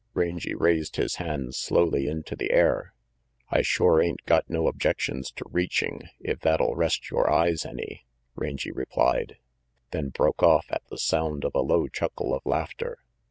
Rangy raised his hands slowly into the air. "I shore ain't got no objections to reaching, if that'll rest yore eyes any," Rangy replied; then broke off at the sound of a low chuckle of laughter.